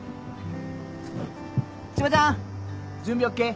千葉ちゃん準備ＯＫ。